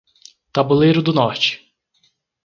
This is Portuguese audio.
Tabuleiro do Norte